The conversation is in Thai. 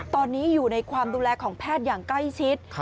ตอนนี้อยู่ในความดูแลของแพทย์อย่างใกล้ชิด